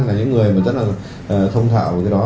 là những người rất là thông thạo ở đó